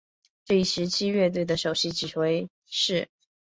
这一时期乐团的首席指挥是。